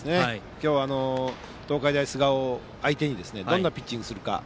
今日は東海大菅生相手にどんなピッチングをするか。